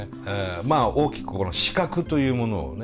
まあ大きく資格というものをね。